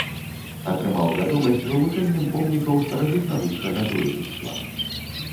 Атрымаў вядомасць вывучэннем помнікаў старажытнарускага дойлідства.